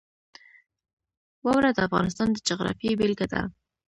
واوره د افغانستان د جغرافیې بېلګه ده.